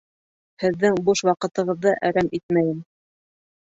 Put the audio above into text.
Һеҙҙең буш ваҡытығыҙҙы әрәм итмәйем